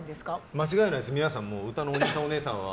間違えないです、皆さん歌のおにいさん・おねえさんは。